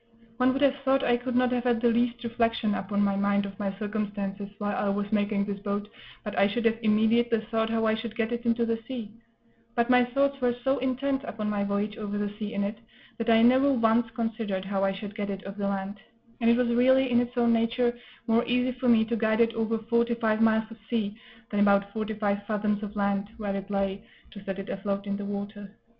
One would have thought I could not have had the least reflection upon my mind of my circumstances while I was making this boat but I should have immediately thought how I should get it into the sea; but my thoughts were so intent upon my voyage over the sea in it that I never once considered how I should get it off the land; and it was really, in its own nature, more easy for me to guide it over forty five miles of sea than about forty five fathoms of land, where it lay, to set it afloat in the water.